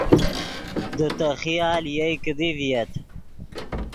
دے تے خیال یئے کیدی ڤییت